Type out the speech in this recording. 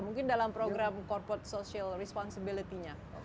mungkin dalam program corporate social responsibility nya